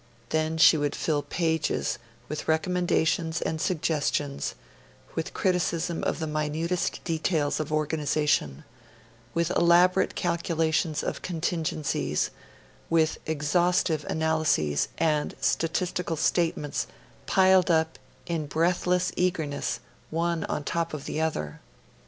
Then she would fill pages with recommendations and suggestions, with criticisms of the minutest details of organisation, with elaborate calculations of contingencies, with exhaustive analyses and statistical statements piled up in breathless eagerness one on the top of the other.